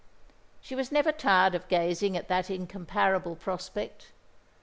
She was never tired of gazing at that incomparable prospect.